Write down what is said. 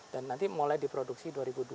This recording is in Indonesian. dan nanti mulai diproduksi dua ribu dua puluh